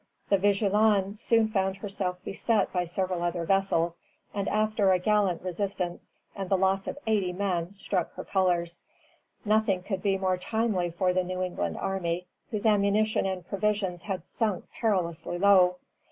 The "Vigilant" soon found herself beset by several other vessels, and after a gallant resistance and the loss of eighty men, struck her colors. Nothing could be more timely for the New England army, whose ammunition and provisions had sunk perilously low.